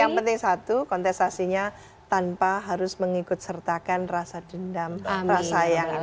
yang penting satu kontestasinya tanpa harus mengikut sertakan rasa dendam rasa yang ada